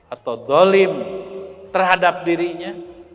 atau dolim terhadap dirinya